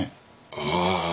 ああ。